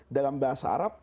dalam bahasa arab